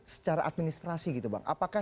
secara administrasi gitu bang apakah